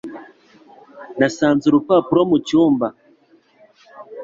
Nasanze urupapuro mu cyumba.